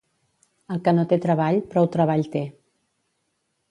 El que no té treball, prou treball té.